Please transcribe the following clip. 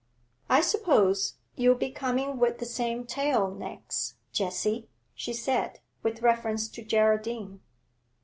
'I suppose you'll be coming with the same tale next, Jessie,' she said, with reference to Geraldine.